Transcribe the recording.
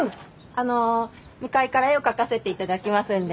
あの向かいから絵を描かせて頂きますんで。